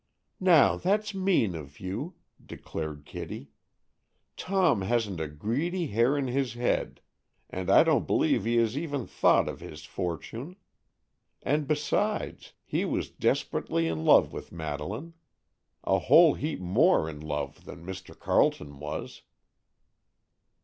"Now, that's mean of you," declared Kitty. "Tom hasn't a greedy hair in his head, and I don't believe he has even thought of his fortune. And, besides, he was desperately in love with Madeleine. A whole heap more in love than Mr. Carleton was."